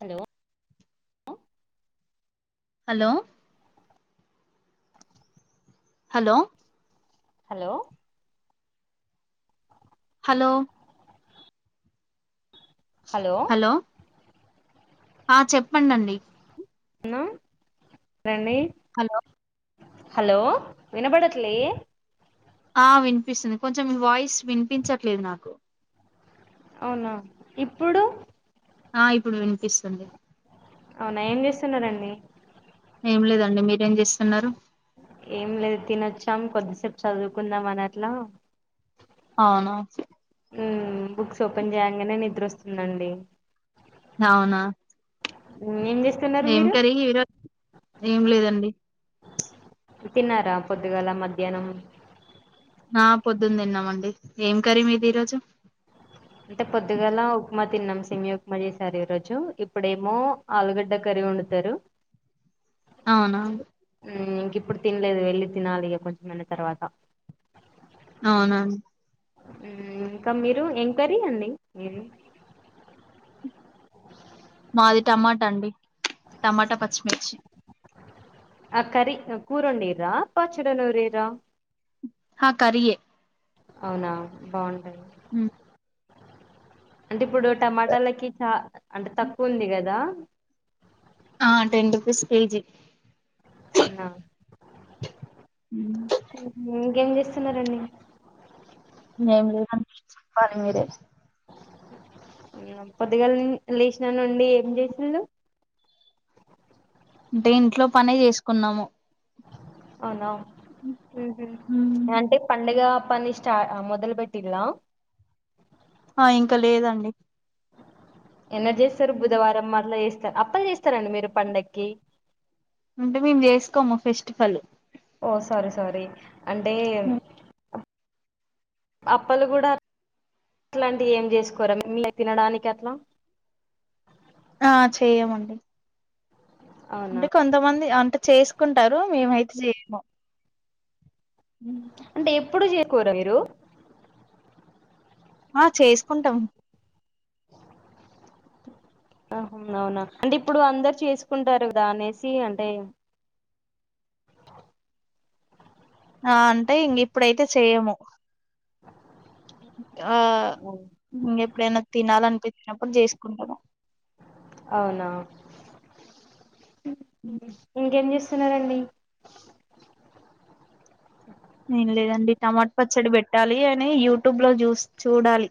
Hello hello hello hello hello hello ఆ చెప్పన్డండి న్ అండి హలో హలో వినబడట్లే? ఆ వినిపిస్తుంది కొంచెం ఈ వాయిస్ వినిపించట్లేదు నాకు అవునా ఇప్పుడు? ఆ ఇప్పుడు వినిపిస్తుంది అవునా ఏం చేస్తున్నారండి ఏం లేదండి మీరు ఏం చేస్తున్నారు వచ్చాం కొద్దిసేపు చదువుకుందాం అని అట్లా అవునా స బుక్స్ ఓపెన్ చేయంగానే నిద్ర వస్తుందిండి అవునా అ ఏం కర హీరో ఏం లేదండి తిన్నారా పొద్దుగాల మధ్యాహ్నం ఆ పొద్దుందిన్నామండి ఏం కరీ మీది ఈరోజు అంటే పొద్దుగాలా ఉప్మా తిన్నాం సమి ఉప్మా చేసారు ఈ రోజు ఇప్పుడేమో ఆలుగడ్డ కర్రీ వండుతారు అవునాను ఇంక ఇప్పుడు తినలేదు వెళ్ళి తినాలి కొంచెం మన్న తర్వాత అవునా ఇంకా మీరు ఎంక్వరీ అండి మాది టమాటా అండి టమాటా పచ్చిమిర్చి ఆ కరి కూరండీరా పాచుడనూరరా హా కే అవునా బాగుంటాయి హ అంటే ఇప్పుడు టమాటాలకి చ అంటే తక్కువ ఉంది కదా ఆ టెన్ రూపీస్ కేజీ అవునా ఇంకేం చేస్త చిన్న రండి నం లే ప మీదే పొద్దిగాల లేసినాను నుండి ఏం చేసళు అంటే ఇంట్లో పనే చేసుకున్నాము అవునా అంటే పండుగ పని స్ మొదలు పెెట్లా ఆ ఇంకా లేదండి ఎన్న చేస్తారు బుధవారం మరలా వేస్ అప్పలు చేస్తారండి మీరు పండక్కి అంటే మేము చేసుకోము ఫెస్టివల్ ఓ సారీ సారీ అంటే, అప్పలు కూడా అలాంటివి ఏం చేసుకోరా మిమ్ని తినడానికి అట్లా ఆ చెయమండి అవునా అంటే కొంతమంది అ అ చేసుకుంటారు మేమైతే చేయము అంటే ఎప్పుడు చే కోర మీరు ఆ చేసుకుంటాం అహ అవునా అంటే ఇప్పుడు అందరు చేసుకుంటారు కదా అనేసి అంటే ఆ అంటే ఇంక ఇప్పుడైతే చెయ్యము ఆ [inaudible] ఆ ఇంక ఎప్పుడైనా తినాలనిపించినప్పుడు చేసుకుంటను అవునా ఇంకేం చేస్త స్తునరండి ఏం లేదండి టమాట పచ్చడి పెట్టాలి అని యూట్యూబ్ లో చూస్ చూడాలి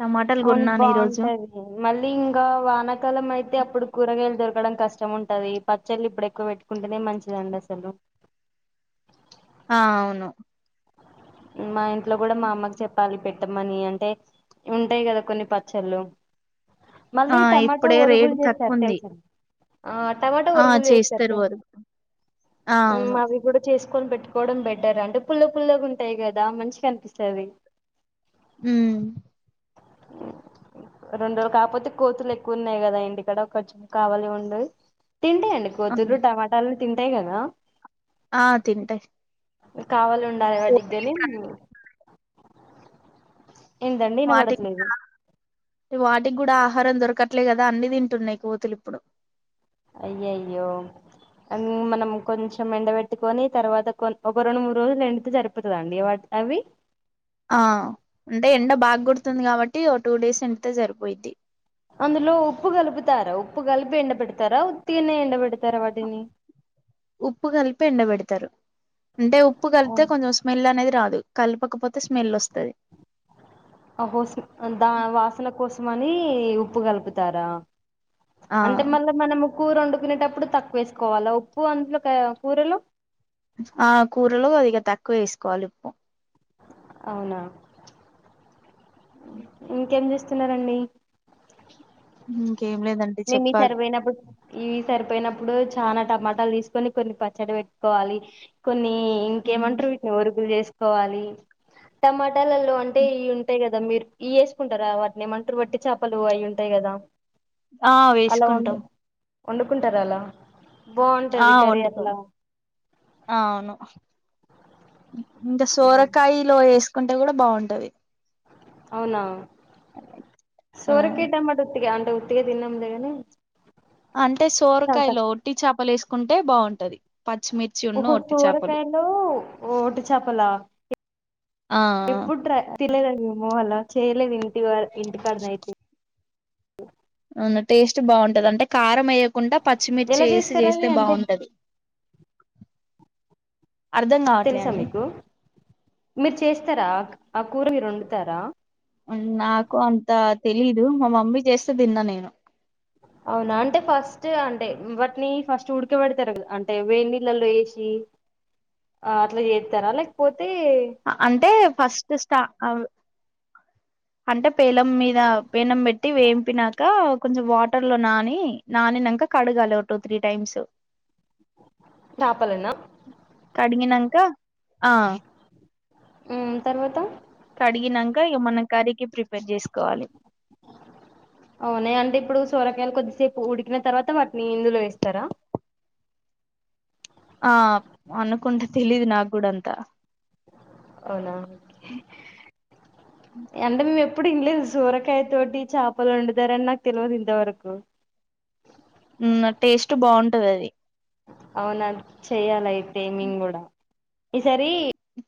టమాటాలు అవును కొన్నాను ఈ రోజు బాగవుంటాది మళ్ళీ ఇంకా వానకాలం అయితే అప్పుడు కూరగాయలు దొరుకు రకడం కష్టం ఉంటది పచ్చళ్ళు ఇప్పుడు ఎక్కువ పెట్టుకుంటేనే మంచిదండి అసలు ఆ అవును మా ఇం ట్లో కూడా మాఅమ్మకి చెప్పాలి పెట్ పెట్టమనీ అంటే ఉంటాయి కదా కొన్ని పచ్చళ్ళు ఆ మళ్ళీ టమాట ఇప్పుడే ఒరుగులు రేట్ తక్కువ చేస్తారు ఉంది తెలుసా ఆ టమాట ఆ ఒరుగులు చేస్తారు తెలుసా వారు ఆ మ్.. అవును అవి కూడా చేసు కొని పెట్టుకోవడం బెటర్ అంటె పుల పల్ల గు గుంటాయి కదా మంచిగ అనిపిస్తది ఉమ్... రెండు రోజులు కాకపోతే కోతులు ఎక్కువ ఉన్నాయి కదా ఇంటి ఇక్కడ ఖర్చు కావాలి ఉం [unintelligible] తింటాయండి కోతులు టమాటాలు తింటాయిగదా ఆ తింటాయి కావాలండి డేవా పోతే టిగ్గాని ఇప్పుడు అన్ని [unintelligible] ఏందండి వాటికి ఇనబడట్లేదు కూడా వాటికి కూడా ఆహారం దొరకట్లే కదా అన్ని తింటున్నాయి కోతులు ఇప్పుడు అయ్యయ్యో అమ్ మనం కొంచెం ఎండబెట్టుకొని తర్వాత ఒక రెండు మూడు రోజులు ఎండితే సరిపోతుందా అండి అవి ఆ అంటే ఎండ బాగా కొడుతుంది కాబట్టి ఓ టూ డేస్ ఎండి తె సరిపోయిద్ది అందులో ఉప్పు కలుపుతారా ఉప్పు కలిపి ఎండ పెడతారా ఉత్తిగనే ఎ ఉప్పు కలిపి ఎండపెడతారు అంటే ఉప్పు కలితే కొంచం స్మెల్ అనేది రాదు కలపకపోతే స్మెల్ వస్తది అహొ ద వాసన కోసం మనీ ఉప్పు కలుపుతారా ఆ అంటే మళ్ళా మనము కూర వండుకునేటప్పుడు తక్కువ వేసుకోవాలా ఉప్పు అందులో కి కూరలు ఆ కూరలు అదిక తక్కువ వేసుకోవాలి ఉప్పు అవునా ఇంకేం చేస్తా స్తున్నారంండి ఉమ్ మే మీ సరిపోయినప్పుడు ఇవి సరిపోయినప్పుడు చనా టమాటాలు తీసుకొని కొన్ని పచ్చడి పెట్టుకోవాలి కొన్ని ఇంకేమంటారు వీటిని ఒరుగులు చేసు కోవాలి టమాట ట్టలల్లో అంటేవి ఉంటాయి కదా దా మీరు ఇ వేసుకుంటారా వాటిని ఏమంటారు బట్టి చేపలు అయ ఉంటాయి కదా ఆ వేసుకుంటాం వండుకుంటార అలా ఆ బాగుంటది కర్రీ వాండుకోను అట్లా ఆ అవును టే సోరకాయ లోస్ కుంటే కూడా బాగుంటది అవునా ఆ సోరకాయి టామాట అంటే ఉతికే దినం లే అని అంటే సోరకాయలో వట్టి చేపలు వేసుకు కుంటే బాగుంటది ఓహో సోరకాయలో ఓటి చేపలా ఆ ఎప్పుడు థినాలెధు అండి నేను మ హల్ చెయాలే దీ వ ఇంతకన్నాయితే అవును టేస్ట్ బాగుంటది అంటే కారం అయ్యకుండా పచ్చిమిర్చి ఎలా వేసి చేస్తారు అది చేస్తే అంటే బాగుంటది అర్ధం కావట్లే తెలుసా అండి మీకు మీరు చేస్తారా ఆ కూరగారు వండుతారా నాకు అంత తెలీదు మా మమ్మీ చేస్తే తిన్న నేను అవునా అంటే ఫస్ట్ అంటే వాటిని ఫస్ట్ ఉడకబడతారు అంటే వేడిళ్ళలో వేసి అట్లా చేస్తారా లేకపో అంటే ఫస్ట్ స్టా ఆ అంటే పేలం మీద పెనం పెట్టి వేంపినాక కొంచెం వాటర్ లో నాని నానినాక కడగాలి ఓ టూ త్రీ టైమ్స్ నాపాలన్నా కడిగినంక ఆ ఆ తర్వాత కడిగినాక ఇగ మనం కర్రీకి ప్రిపేర్ చేసు అవునా అంటే ఇప్పుడు సోరకాయలు కొద్దిసేపు ఉడికిన తర్వాత వా మీ ఇందులో వేస్తారా ఆ అనుకుంటే తెలీదు నాకు కూడా అంతా అవునా అంటే మేము ఎప్పుడు వినలేదు సోరకాయ తోటి చేపలు వండుతారని నాకు తెలవదు ఇంతవరకు ఉమ్ టేస్ట్ బాగుంటది అది అవునా చెయ్యాలా అయితే మేము కూడా ఈ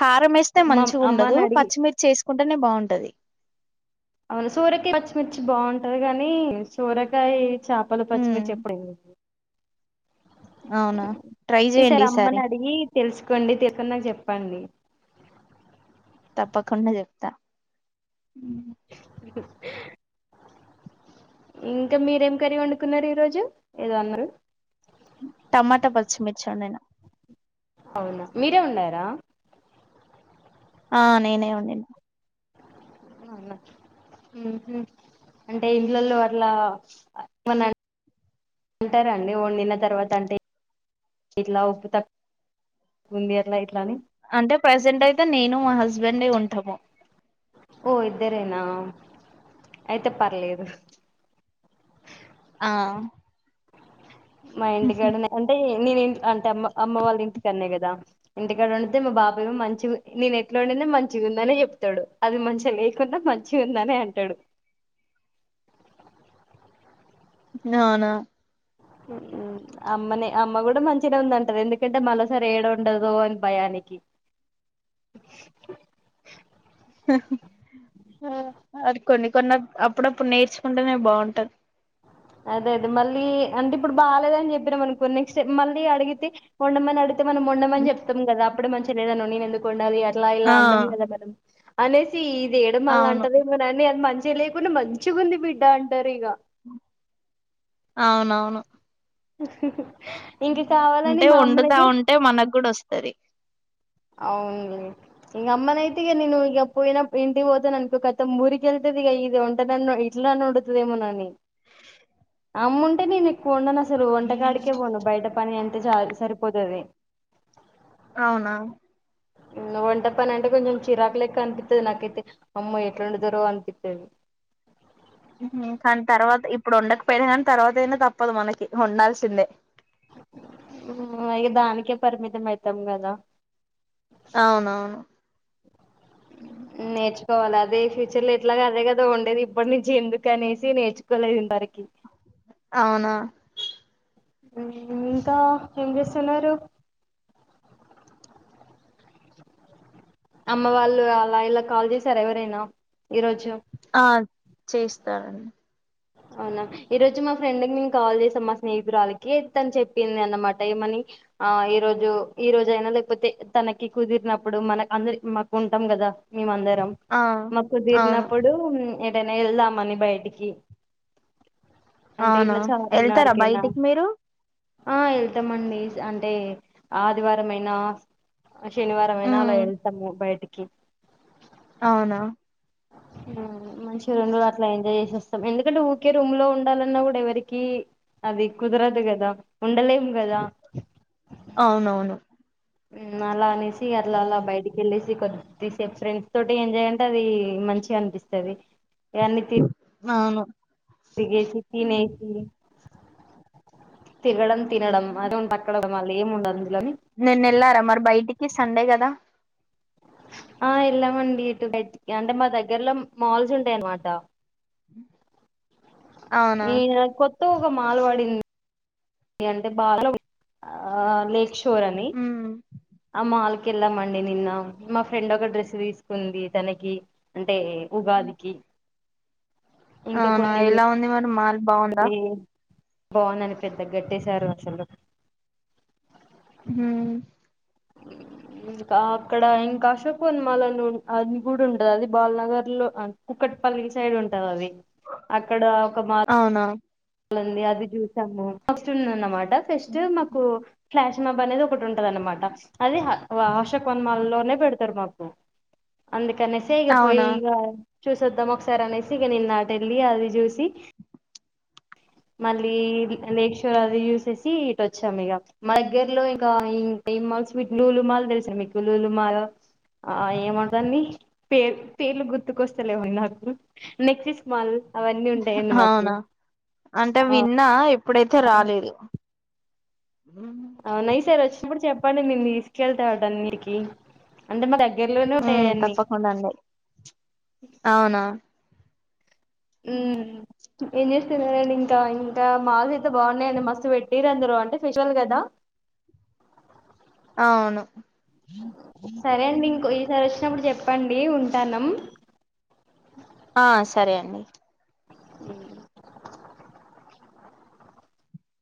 కారం వేస్తే మంచిగ ఉండదు అమ్మని అడిగి పచ్చిమిర్చి వేసుకుంటేనే బాగుం ఉంటది అవునా సోరకాయ పచ్చిమిర్చి బాగుంటది కాని సోరకాయ చేపలు మ్ పచ్చిమిర్చి ఎప్పుడయ్యాలే అవునా ట్రై చెయ్యండి ఈసారి కొండి తెలుసుకొని నాకు చెప్పండి తప్పకుండా చెప్త ఇంకా మీరేం కర్రీ వండుకున్నారు ఈ రోజు ఏదో అన్నారు టమాటా పచ్చిమిర్చి వండిన అవునా మీరే వండారా ఆ నేనే వండాను అవునా ఉహూ అంటే ఇంట్లల్లో అట్లా ఏమన్నా అంటారా అండి అంటే వండిన తర్వాత అంటే ఇట్లా ఉప్పు తక్కువ ఉంది అట్లా ఇట్లాని అంటే ప్రెసెంట్ అయితే నేను మా హస్బెండే ఉంటాము ఓ ఇద్దరేనా అయితే పర్లేదు ఆ మా ఇంటికాడనే అంటే నేను ఇంట్ అంటే అమ్మ అమ్మ వాళ్ళ ఇంటికాడ నే కదా ఇంటికాడ ఉండితే మా బాబాయ మంచి నేను ఎట్లా వండిన మంచిగా ఉందనే చెప్తాడు అది మంచిగా లేకున్నా మంచిగ ఉందని అంటాడు అవునా అమ్మనే అమ్మ కూడా మంచిగనే ఉందంటాది ఎందుకంటే మరోసారి ఏడ వండదో అని భయానికి అది కొన్ని కొన్ని అప్పుడప్పుడు నేర్చుకుంటేనే బాగుంటది అదే అదే మళ్ళీ అంటే ఇప్పుడు బాగాలేద అని చెప్పినాం అనుకో నెక్స్ట్ మళ్ళీ అడిగితే వండమని అడిగి తే మనం వండమని చెప్తాం కదా అప్పుడు మంచిగా లేదా అన్నావ్ నేను ఎందుకు వండాలి లా ఇలా ఆ అంటాము కదా మనము అనేసి దియడం అళ్ల అవును అంటదిమోని అ మంచి లేయకుండా మంచిగా ఉంది బిడ్డ అంటారు ఇక అవునవును ఇంక కావాలని అంటే మా అమ్మనైతే వండుతాఉంటే మనకు కూడా వస్తది అవును ఈ అమ్మన అయితే ఇగ నేను ఇక పోయిన ఇంటికి పోతా న అన్కో కత ఊరికెళ్తదిగా ఇది ఒంట న ఇట్ల నోడుతుదేమోనని అమ్ముంటే నేను ఎక్కు ఉండను లు వంటకాడికే పోను బయట పని ఎంట చాలు సరిపోతది అవునా వంట పని అంటే కొంచెం చిరాకు లేక్క అనిపిస్తది నాకైతే అమ్మో ఎట్ల ఒండుతారో అనిపిస్థాది కానీ తర్వాత ఇప్పుడు ఉండకపోయినా కానీ తర్వాత అయినా తప్పదు మనకి వండాల్సిందే అక దానికే పరిమిత అయితాం కదా అవునవును నేర్చుకోవాలి అదే ఫ్యూచర్ లో ఎట్లాగా అదే కదా దో ఉండేది ఇప్పటి నుంచి ఎందుకు అనేసి నేర్చుకోలేదు ఇందరికి అవునా [unintelligible] ఏం చేస్తున్నారు [inaudible] అమ్మ వాళ్ళు అలా ఇలా కాల్ చేసారా ఎవరైనా ఈరోజు ఆ చేస్త [inaudible] అవునా ఈ రోజు మా ఫ్రెండ్ నేను కాల్ చేసాం మా స్నేహితురాలకి తను చెప్పింది అన్నమాట ఏమని ఆ ఈరోోజు ఈ రోజ అయినా లేకపోతే తనకి కుదిరినప్పుడు మనకు అందరి మాకు ఉంటాం కదా మేమందరం ఆ మాకు అవును కుదిరినప్పుడు ఏదైనా వెళ్దాంమని బయటికి అంటే అవునా ఇట్లా వెళ్తారా చార్మినార్కైనా బయటికి మీరు ఆ ఎళ్తామండి అంటే ఆదివారం అయినా శనివారం అయినా అలా ఉమ్ వెళ్తాము బయటికి [unintelligible] అవునా హ మంచిగా అలా ఎంజాయ్ చే [inaudible] స్తాం ఎందుకంటే ఊరికే రూమ్ లో ఉండాలన్నా కూడా ఎవరికి అది కుదరదు కదా ఉండలేము కదా అవునవును అలా అనేసి అలా అలా బయటికి వెళ్ళేసి కొద్దిసేపు ఫ్రెండ్స్ తోటి ఎంజాయ్ అంటే అది మంచిగా అనిపిస్తది [unintelligible] తీ అవును తిరగేసి తినేసి తిరగడం తినడం [inaudible] మళ్లీ ఎం ఉండదు అందులోని నిన్న ఎల్లారా బయటికి సండే కదా ఆ ఎళ్లామండి ఇటు బయటి అంటే మా దగ్గర్లో మాల్స్ ఉంటాయన్నమాట. [inaudible] ఈ కొ ఒక మాల్వడింద్ ఏ అంటే ఆ లేక్ష ధోరణి ఉమ్ ఆ మాల్కెళ్ళమండి నిన్న మా ఫ్రెండ్ ఒక డ్రెస్ తీసుకుంది తనకి అంటే ఉగాదికి. ఇంకా అవునా కొన్ని ఎలా ఉంది మరీ మాల్ బాగుందా బావుందండి పెద్దగ్గట్టేశారు అసలు హ్ మ్ ఇంకా అక్కడ ఇంకా అశోక్ వన్ మాల్ అని అది గుడా ఉంటది అది బాలనగర్లో కూకట్ పల్లి సైడ్ ఉంటది అది అక్కడ ఒక మాల్ అవునా ఉంది అది చూసాము ఫస్ట్ ఉందన్నమాట. ఫస్ట్ మాకు ఫ్లాష్ అనేది ఒకటి టున్టదన్నమాట అది అశోక్ వన్ మాల్లోనే పెడ్తరు మాకు అందు కనేసే ఇగ పోయి అవునా ఇగ చూసొద్దాం ఒకసారి అనేసి ఇగ నిన్న అటెల్లి అది జూసి మళ్ళీ లేక్షోర్ అది జూసేసి ఇటోచ్చాం ఇగ మా దగ్గరలో ఇక ఇం ఏల్ మాల్స్ లూలు మాల్ తెలుసా మీకు లూలు మాల్ ఆ ఏమంటరు దాన్ని పేర్ పేర్లు గుర్తుకొస్తలేవ్ నాకు నెక్సస్ మాల్ అవన్నీ ఉంటాయండి మాకు అవునా అంటే ఆ విన్నా ఎప్పుడైతే రాలేదు. మ్ నైసర్ వచ్చినప్పుడు చెప్పండి నేను తీసుకెళ్తా అటన్నిటికీ అంటే మా దగ్గ మ్ తప్పకుండా అండి అవునా ఉమ్ ఏం చేస్తున్నారండి ఇంకా ఇంకా మాల్స్ అయితే బాగున్నాయండి మస్త్ పెట్టింరందరు అంటే ఫెస్టివల్ కదా అవును సరే అండి ఇంకో ఈసారి వచ్చినప్పుడు చెప్పండి ఉంటన్నం ఆ సరే అండి. ఉ